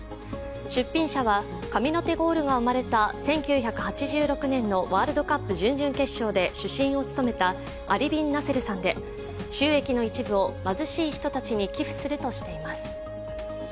出品者は、神の手ゴールが生まれた１９８６年のワールドカップ準々決勝で主審を務めたアリ・ビン・ナセルさんで収益の一部を貧しい人たちに寄付するとしています。